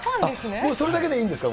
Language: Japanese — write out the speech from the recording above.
もうそれだけでいいんですか。